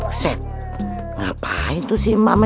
ula teman teman ya